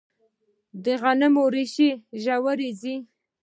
د غنمو ریښې ژورې ځي.